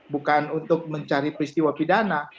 bukan untuk mencari peristiwa pidana